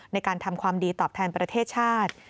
ในการทำความดีตอบแทนประเทศชาติ